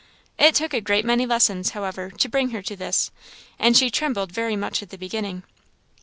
It took a good many lessons, however, to bring her to this, and she trembled very much at the beginning.